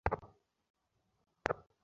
আমাদের বুক জ্বলছে, এখন সেইটেই বড়ো কথা।